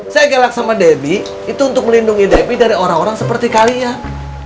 saya galak sama debbie itu untuk melindungi debbie dari orang orang seperti kalian